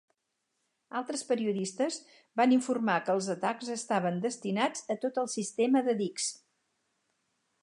Altres periodistes van informar que els atacs estaven "destinats a tot el sistema de dics".